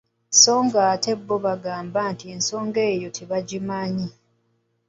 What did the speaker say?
Sso ng’ate bo bagamba nti ensonga eyo tebagimanyi.